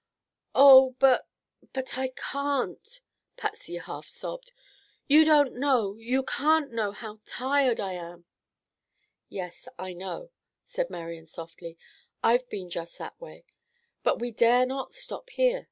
"Oh, but—but I can't!" Patsy half sobbed. "You don't know, you can't know how tired I am." "Yes, I know," said Marian softly. "I've been just that way; but we dare not stop here.